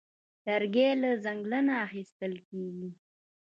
لرګی له ځنګله اخیستل کېږي.